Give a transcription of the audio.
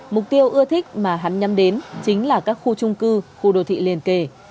mục tiêu ưa thích mà hắn nhắm đến chính là các khu trung cư khu đô thị liên kề